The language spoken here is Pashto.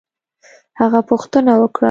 هغه پوښتنه وکړه